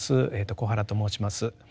小原と申します。